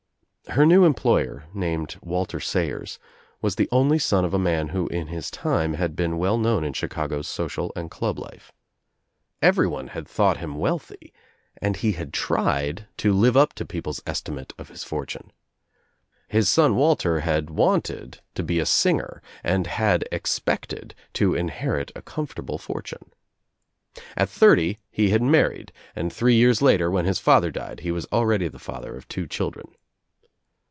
Her new employer, named Walter Sayers, was the only son of a man who in his time had been well known i in Chicago's social and club life. Everyone had I thought him wealthy and he had tried to live up to OUT OF NOWHERE INTO NOTHING 20? people's estimate of his fortune. His son Walter had wanted to be a singer and had expected to inherit a comfortable fortune. At thirty he had married and three years later when his father died he was already the father of two children.